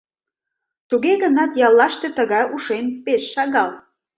Туге гынат яллаште тыгай ушем пеш шагал.